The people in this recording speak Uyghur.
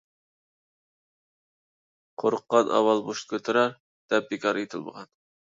«قورققان ئاۋۋال مۇشت كۆتۈرەر» دەپ بىكار ئېيتىلمىغان.